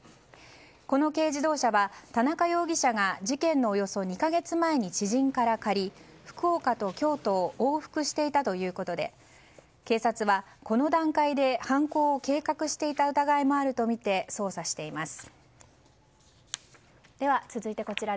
この軽自動車は田中容疑者が事件のおよそ２か月前に知人から借り、福岡と京都を往復していたということで警察はこの段階で犯行を計画していた疑いもあるとみて捜査しています。